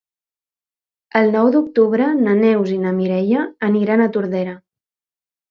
El nou d'octubre na Neus i na Mireia aniran a Tordera.